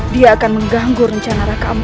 dia akan mengganggu rencana rakyat maruko